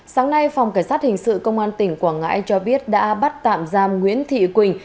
sáng nay phòng cảnh sát hình sự công an tp biên hòa cho biết đã bắt tạm giam nguyễn thị quỳnh